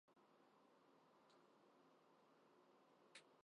艮丑寅卦東北八宮屬上，离卦正南九宮屬火